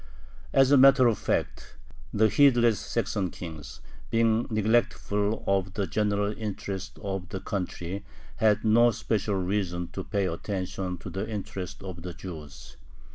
As a matter of fact, the heedless "Saxon kings," being neglectful of the general interests of the country, had no special reason to pay attention to the interests of the Jews.